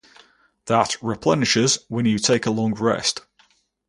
That replenishes when you take a long rest.